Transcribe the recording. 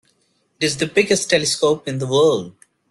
It is the biggest telescope in the world.